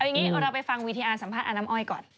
เอาอย่างนี้เอาเราไปฟังวิทยาสัมภาษณ์อาลัมอ้อยก่อน